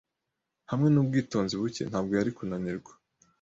Hamwe nubwitonzi buke, ntabwo yari kunanirwa.